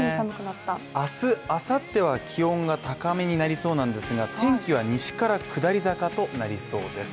明日明後日は気温が高めになりそうなんですが天気は西から下り坂となりそうです